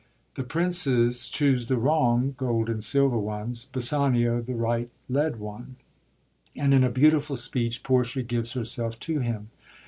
The Princes choose the wrong (gold and silver) ones ; Bassanio the right (lead) one ; and in a beautiful speech Portia gives herself to him.